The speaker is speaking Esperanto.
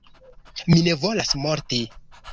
Mi ne volas morti!